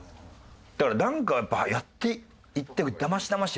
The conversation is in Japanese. だからなんかやっぱやっていって。